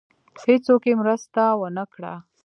هېڅوک یې مرسته ونه کړه.